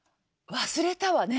忘れたわね。